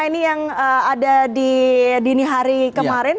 ini yang ada di dini hari kemarin